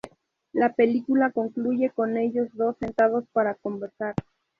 La película concluye con ellos dos sentados para conversar.